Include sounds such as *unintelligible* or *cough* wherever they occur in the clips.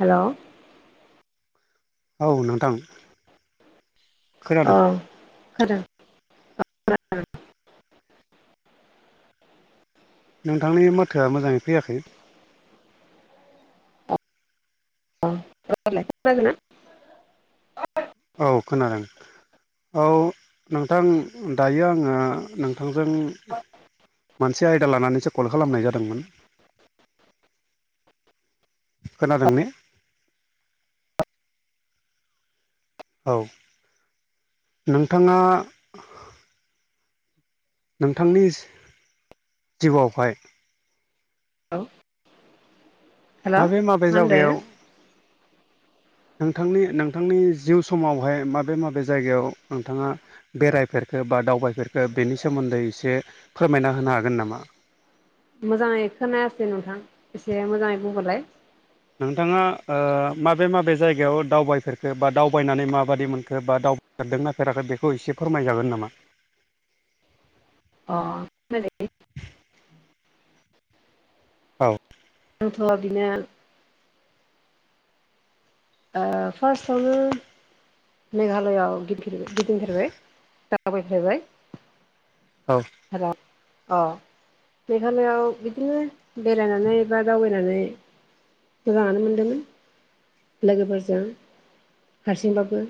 Hello औ नोंथां खोनादों ओ *unintelligible* नोंथांनि माथोआ मोजाङै फैयाखै। *unintelligible* औ खोनादों। औ नोंथां दायो आङो नोंथांजों मोनसे आयदा लानानैसो कल खालामनाय जादोंमोन। खोनादों ने? औ नोंथाङा नोंथांनिस जिउआवहाय *unintelligible* हेल' मा माबे माबे होनदो जावगायाव नोंथांनि नोंथांनि जिउ समावहाय माबे माबे जायगायाव नोंथाङा बेरायफेरखो बा दावबायफेरखो बेनि सोमोन्दै एसे फोरमायना होनो हागोन नामा? मोजाङै खोनायाखै नोंथां एसे मोजाङै बुंहरलाय। नोंथाङा ओ माबे माबे जायगायाव दावबायफेरखो बा दावबायनानै माबायदि मोनखो बा दाव फेरदोंना फेराखै बेखौ एसे फोरमाय जागोन नामा? अ *unintelligible* औ आंथ' बिनो ओ फास्टआवनो मेघालयआव गिदिं-गिदिंफेरबाय दावबायफेरबाय औ र' अ मेघालयआव बिदिनो बेरायनानै बा दावबायनानै मोजाङानो मोनदोंमोन। लोगोफोरजों हारसिंबाबो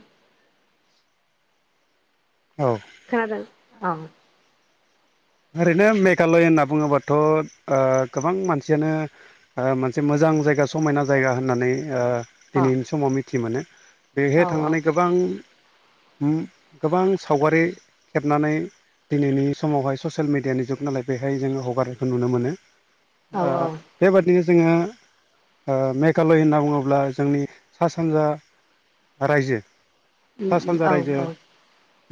औ खोनादों औ। ओरैनो मेघालय होनना बुङोबाथ' ओ गोबां मानसियानो ओ मोनसे मोजां जायगा समायना जायगा होननानै ओ औ दिनैनि समाव मिथि मोनो औ बेहाय औ थांनानै गोबां गोबां सावगारि खेबनानै दिनैनि समावहाय स ससियेल मिडियानि जुग नालाय बेहाय जोङो हगारनायखौ नुनो मोनो औ ओ बेबादिनो जोङो ओ मेघालय होनना बुङोब्ला जोंनि सा सानजा रायजो सा सानजा औ रायजो औ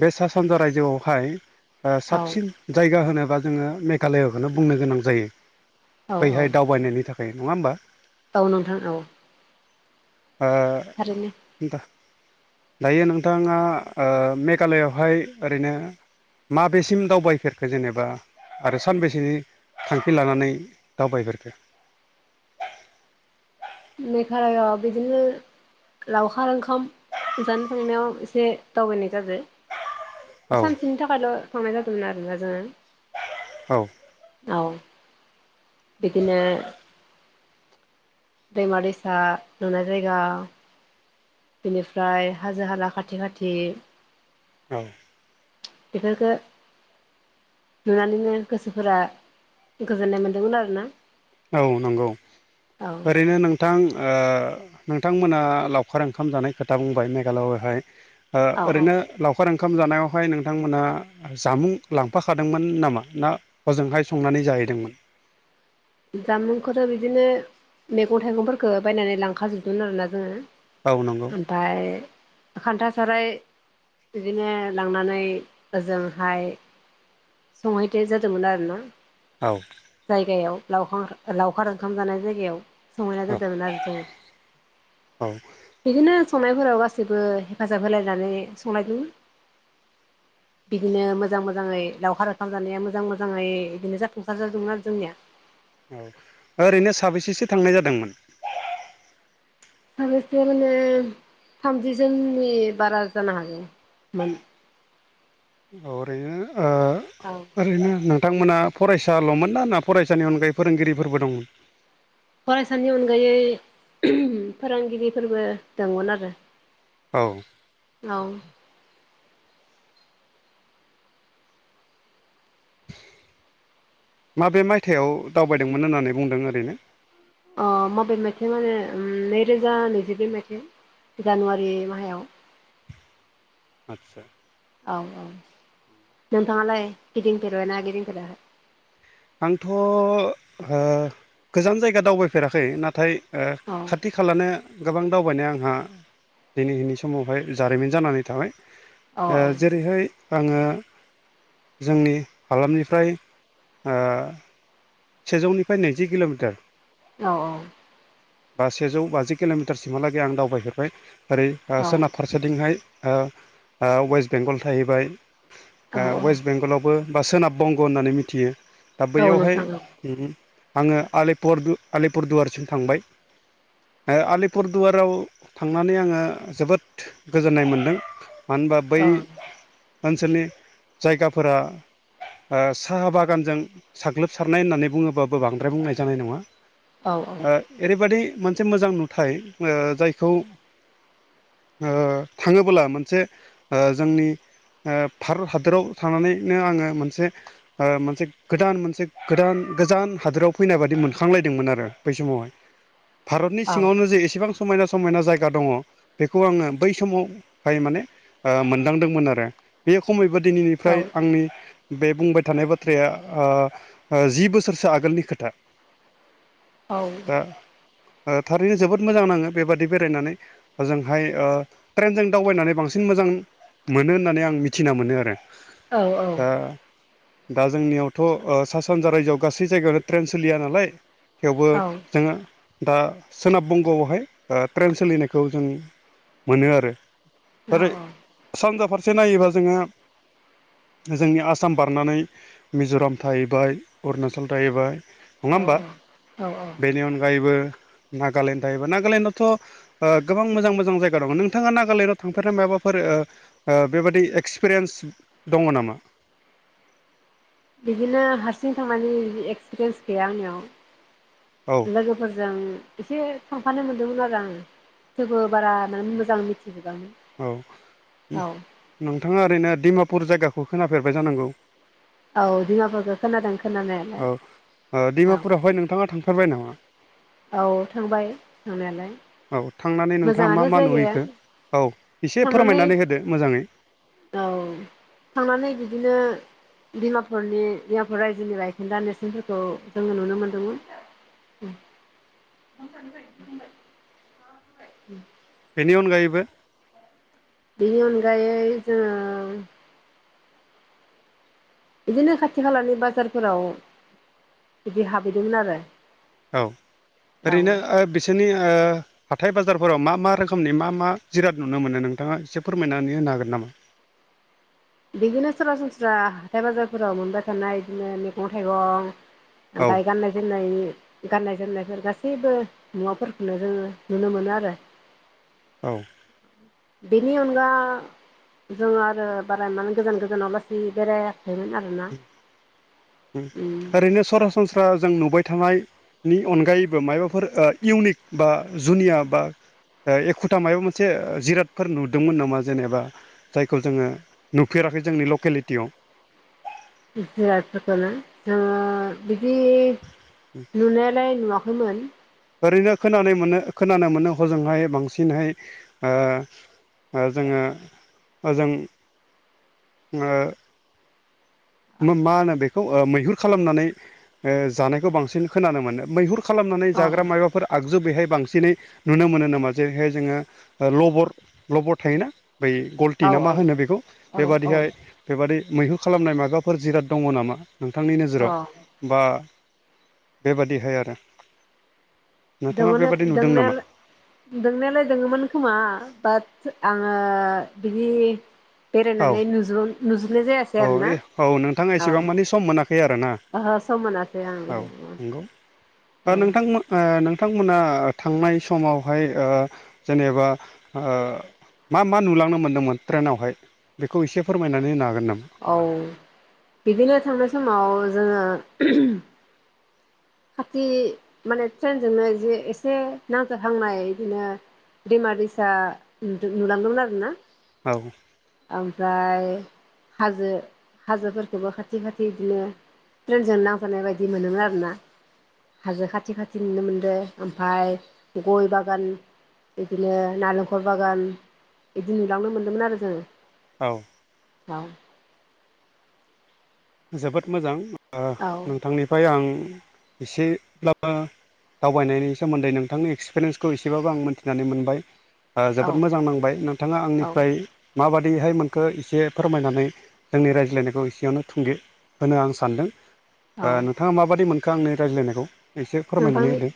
बे सा सानजा रायजोआवहाय ओ औ साबसिन जायगा होनोबा जोङो मेघालयाखौनो बुंनो गोनां जायो औ औ बैहाय दावबायनायनि थाखा एह नङा होमबा? औ नोंथां औ। ओ थारैनो दा दायो नोंथाङा ओ मेघालयआवहाय ओरैनो माबेसिम दावबायफेर बे जेनेबा आरो सानबेसेनि थांखि लानानै दावबायगोरखो मेधालया बिदिनो लावखार ओंखाम जानो थांनायाव एसे दावबायनाय जादो। औ सानसेनि थाखायल' थांनाय जादोंमोन आरोना जोङो। औ औ बिदिनो दैमा दैसा नुनाय जायगा बेनिफ्राय हाजो हाला खाथि खाथि औ बेफोरखो नुनानैनो गोसोफोरा गोजोननाय मोन्दोंमोन आरो ना। औ नंगौ ओरैनो नों थां ओ नोंथांमोना लावखार ओंखाम जानाय खोथा बुंबाय मेघालयआवहाय ओ औ औ ओरैनो लावखार ओंखाम जानायावहाय नोंथांमोनहा जामुं लांफाखादोंमोन नामा ना हजोंहाय संनानै जाहैदोंमोन? जामुंखौथ' बिदिनो मैगं थाइगंफोरखौ बायनानै लांखा जोबदोंमोन आरोना जोङो। औ नंगौ। ओमफाय खान्था साराइ बिदिनो लांनानै ओजोंहाय संहैदे जादोंमोन आरोना औ जायगायाव लावखार लावखार ओंखाम जानाय जायगायाव। सहायना औ जादों ओरोना जोङो औ बिदिनो संनायफोराव गासैबो हेफाजाब होलायनानै संलायदों बिदिनो मोजां मोजाङै लावखार ओंखाम जानाया मोजां मोजाङै बिदिनो जाफुंसार जादोंमोन आरो जोंनिया औ ओरैनो साबैसेसो थांनाय जादोंमोन साबैसेनो माने थामजि जोननि बारा जानो हागौमोन अ ओरैनो ओ औ ओरैनो नो थांमोना फरायसाल'मोन ना ना फरायसानि अनगायै फोरोंगिरिफोरबो दंमोन फरायसानि अनगायै फोरोंगिरिफोरबो दंमोन आरो औ औ माबे मायथाइयाव दावबायदोंमोन होननानै बुंदों ओरैनो? अ माबे मायथाइ माने नैरोजा नैजिब्रै मायथाइ जानुवारि माहायाव आच्चा औ औ नोंथाङालाय गिदिंफेरबाय ना गिदिंफेराखै? आंथ' ओ गोजान जायगा दावबायफेराखै नाथाय ओ औ खाथि आथिखालानो गोबां दावबायनाया आंहा दिनैनि समावहाय जारिमिन जानानै थाबाय। औ ओ जेरैहाय आङो जोंनि हालामनिफ्राय ओ सेजौनिफ्राय नैजि किल'मिटार औ औ बा सेजौ बाजि किल'मिटारसिमहालागै आं दावबायफेरबाय ओरै औ सोनाब फारसेथिंहाय ओ वेस्ट बेंगल थाहैबाय ओ औ वेस्ट बेंगलावबो बा सोनाब बंग' होननानै मिथियो दा औ बैयावहाय नोंथां उमहु आङो आलिपुर आलिपुरदुवारसिम थांबाय ओ आलिपुरदुवाराव थांनानै आङो जोबोद गोजोननाय मोनदों। मानो होनबा बै औ ओनसोलनि जायगाफोरा ओ साहा बागानजों साग्लोबसारनाय होननानै बुङोबाबो बांद्राय बुंनाय जानाय नङा। औ ओ ओरैबायाददि मोनसे मोजां नुथ ओ जायखौ ओ थाङोबोला मोनसे ओ जोंनि ओ भारत हादोराव थानानैनो आङो मोनसे ओ मोनसे गोदान मोनसे गोदान गोजान हादोराव फैनाय बादि मोनखांलायदोंमोन आरो बै समावहाय भारतनि औ सिङावनो जे एसेबां समायना समायना जायगा दङ बेखौ आङो बै समावहाय माने ओ मोनदांदोंमोन आरो बे खमैबो दिनैनि औ फ्राय आंनि बे बुंबाय थानाय बाथ्राया ओ ओ जि बो सोरसो आगोलनि खोथा। औ दा ओ थारैनो जोबोद मोजां नाङो बेबादि बेरायनानै। ओजोंहाय ओ ट्रेनजों दावबायनानै बांसिन मोजां मोनो होननानै आं मिथिना मोनो आरो। दा दा जोंनियावथ' ओ सा सानजा रायजोआव गासै जायगायावनो ट्रेन सोलिया नालाय थेवबो औ जोङो दा सोनाब बंग'आवहाय ट्रेन सोलिनायखौ जों मोनो आरो। ओरै औ सानजा फारसे नायोबा जोंहा जोंनि आसाम बारनानै मिज'राम थाहैबाय अरुणाचल थाहैबाय नङा होमबा? औ बेनि अनगायैबो नागालेण्ड थाहैबाय नागालेण्डआवथ' ओ गोबां मोजां मोजां जायगा दङ नोंथाङा नागालेण्डआव थांफेरना माबाफोर ओ ओ बेबादि एक्सपिरियेन्स दङ नामा? बिदिनो हारसिं थांनायनि एक्सपिरियेन्स गैया आंनियाव औ लोगोफोरजों एसे थांफानो मोनदोंमोन आरो आं थेवबो बारा माने मोजां मिथिजोबामोन औ औ नोंथाङा ओरैनो दिमापुर जायगाखौ खोनाफेरबाय जानांगौ। औ दिमापुरखौ खोनादों खोनानाया। औ ओ डिमापुरावहाय नोंथाङा थांफेरबाय नामा? औ थांबाय थांनायालाय। औ थांनानै नोंथाङा मा मोजाङानो मा जायगाया नुहैखो? औ एसे थांनानै फोरमायनानै होदो मोजाङै। औ थांनानै बिदिनो डिमापुरनि डिमापुर रायजोनि बायखोन्दा नेरसोनफोरखौ जोङो नुनो मोन्दोंमोन। *inaudible* *inaudible* बेनि अनगायैबो बेनि अनगायै जोङो बिदिनो खाथि खालानि बाजारफोराव बिदि हाबहैदोंमोन आरो। औ औ ओरैनो ओ बिसोरनि ओ हाथाय बाजारफोराव मा मा रोखोमनि मा मा जिराद नुनो मोनो नोंथाङा एसे फोरमायनानै होनो हागोन नामा? बिदिनो सरासनस्रा हाथाय बाजारफोराव मोनबाय थानाय बिदिनो मैगं थाइगं औ ओमफाय गाननाय जोमनायनि गाननाय जोमनायफोर गासैबो मुवाफोरखौनो जोङो नुनो मोनो आरो। औ। बेनि अनगा जोंङो आरो बारा एमान गोजान गोजानावलासि बेरायाखैमोन आरो उम ओरैनो सरासनस्रा जों नुबाय थानाय नि अनगायैबो मायबाफोर ओ इउनिक बा जुनिया बा ओ एखुथा मायबा मोनसे जिरादफोर नुदोंमोन नामा जेनेबा? जायखौ जोङो नुफेराखै जोंनि लकेलिटियाव। जिरादफोरखौना ओ जोङो बिदि नुनायालाय नुवाखैमोन। ओरैनो खोनायनो मोनो खोनानो मोनो हजोंहाय बांसिनहाय ओ ओ जोङो ओजों *unintelligible* मो मा होनो बेखौ मैहुर खालामनानै ओ जानायखौ बांसिन खोनानो मोनो मैहुर खालामनानै औ जाग्रा मायबाफोर आगजु बेहाय बांसिनै नुनो मोनो नामा जेरैहाय जोङो ओ लबर लबर थायोना? बै गलटि औ ना मा होनो बेखौ औ औ बेबादिहाय बेबादि मैहुर खालामनाय माबा फोर जिराद दङ नामा नोंथांनि अ नोजोराव? बा बेबादिहाय आरो नोंथाङा दङनो बेबादि नुदों नामा? दोंनायालाय दोंनायालाय दोङोमोन खोमा बाट आंङो बिदि औ बेरायनानै नुजु नुजोबनाय जायासै औ आरो ना औ नोंथाङा अ। एसेबां मानि सम मोनाखै आरोना ओहो सम मोनासै आं। दा औ नोंथांमो ओ नोंथांमोना थांनाय समावहाय ओ जेनेबा ओ मा मा नुलांनो मोन्दोंमोन ट्रेनावहाय बेखौ एसे फोरमायनानै होनो हागोन नामा? औ बिदिनो थांनाय समाव जोङो खाथि माने ट्रेनजोंनो जे एसे नांजोबहांनाय बिदिनो दैमा दैसा नुदों नुलांदोमोन आरो ना। औ। ओमफ्राय हाजो हाजोफोरखौबो खाथि खाथि बिदिनो ट्रेनजों नांफानाय बायदि मोनोमोन आरो ना। हाजो खाथि खाथि नुनो मोनदों ओमफ्राय गय बागान बिदिनो नालेंखर बागान बिदि नुलांनो मोन्दोंमोन आरो जोङो। औ। औ। जोबोद मोजां ओ औ नोंथांनिफ्राय आं एसेब्लाबो दावबायनायनि सोमोन्दै नोंथांनि एक्सपिरियेन्सखौ एसेबाबो आं मिथिनानै मोनबाय। ओ जोबोद औ मोजां नांबाय नोंथाङा औ आंनिफ्राय माबाददिहाय मोनखो एसे फोरमायनानै जोंनि रायज्लायनायखौ एसेयावनो थुंगे होनो आं सानदों औ ओ नोंथाङा माबायदि मोनखो आंनि रायज्लायनायखौ? एसे फोरमायनानै नोंथांनि होदो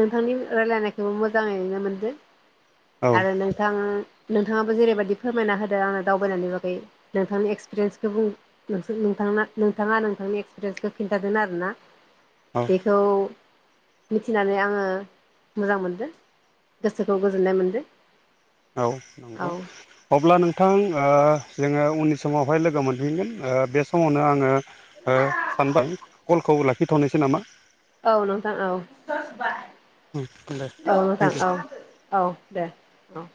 नोंथांनि रायलायनायखौबो मोजाङैनो मोनदों औ आरो नों नोंथां नोंथाङाबो जेरैबायाददि फोरमायना होदो आंनो दावबायनायनि बागै नोंथांनि एक्सपिरियेन्सखौ बुं नोंथाङा नोंथांनि एक्सपिरियेन्सखौ खिन्थादों आरो ना औ बेखौ मिथिनानै आङो मोजां मोनदों गोसोखौ गोजोननाय मोनदों। औ नंगौ औ अब्ला नोंथां जोङो उननि समावहाय लोगो मोनफिनगोन बे समावनो आङो। सानबां कलखौ लाखिथ'नोसै नामा। औ नोंथां औ दे औ नोंथां थेंक इउ औ *unintelligible* औ दे औ